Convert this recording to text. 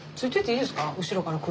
後ろから車。